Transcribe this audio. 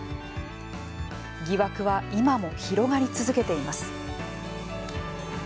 疑惑は今も広がり続けています。